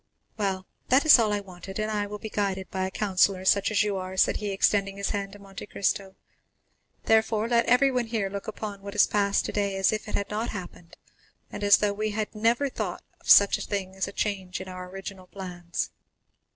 "Well, that is all that I wanted, and I will be guided by a counsellor such as you are," said he, extending his hand to Monte Cristo. "Therefore let everyone here look upon what has passed today as if it had not happened, and as though we had never thought of such a thing as a change in our original plans."